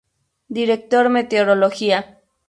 Director Meteorología".